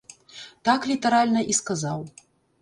Так літаральна і сказаў.